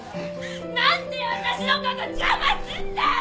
何で私のこと邪魔すんだよ！